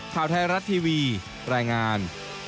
ข่าวไทยรัฐทีวีรายงาน